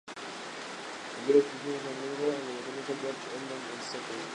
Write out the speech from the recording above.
Envió los especímenes a su amigo, el botánico George Engelmann en St.